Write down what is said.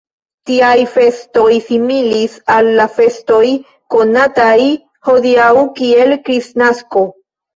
Tiaj festoj similis al la festoj konataj hodiaŭ kiel Kristnasko.